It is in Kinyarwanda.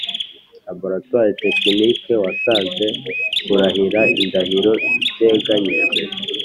Laboratory Technician wanze kurahira indahiro iteganyijwe